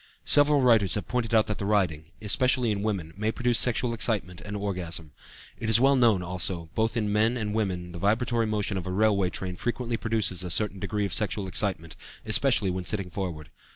Several writers have pointed out that riding, especially in women, may produce sexual excitement and orgasm. It is well known, also, that both in men and women the vibratory motion of a railway train frequently produces a certain degree of sexual excitement, especially when sitting forward.